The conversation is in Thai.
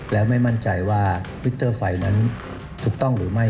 แล้วไม่มั่นใจว่ามิเตอร์ไฟนั้นถูกต้องหรือไม่